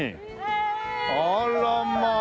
あらまあ。